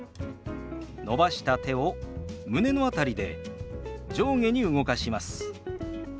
伸ばした手を胸の辺りで上下に動かします。